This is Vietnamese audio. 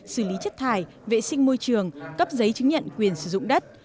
xử lý chất thải vệ sinh môi trường cấp giấy chứng nhận quyền sử dụng đất